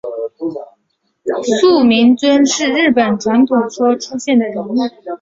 素呜尊是日本传说中出现的人物。